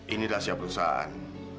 ini rahasia perusahaan